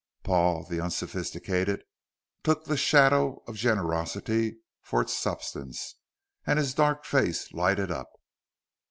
Paul, the unsophisticated, took the shadow of generosity for its substance, and his dark face lighted up.